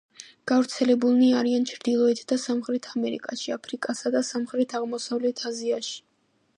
გავრცელებულნი არიან ჩრდილოეთ და სამხრეთ ამერიკაში, აფრიკასა და სამხრეთ-აღმოსავლეთ აზიაში.